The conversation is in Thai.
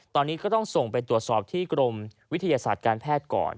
ตอนนี้ก็ต้องส่งไปตรวจสอบที่กรมวิทยาศาสตร์การแพทย์ก่อน